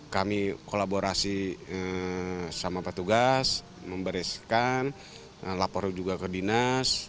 kami kolaborasi sama petugas membereskan lapor juga ke dinas